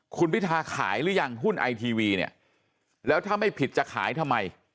คุณพิทาขายหรือยังหุ้นไอทีวีเนี่ยแล้วถ้าไม่ผิดจะขายทำไม